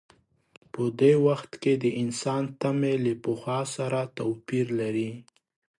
په دې وخت کې د انسان تمې له پخوا سره توپیر لري.